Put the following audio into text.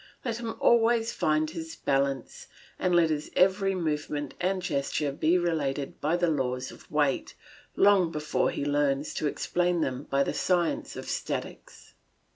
Let him always find his balance, and let his every movement and gesture be regulated by the laws of weight, long before he learns to explain them by the science of statics.